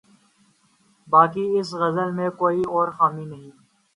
باقی اس غزل میں کوئی اور خامی نہیں۔